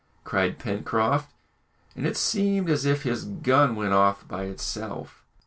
cried Pencroft, and it seemed as if his gun went off by itself.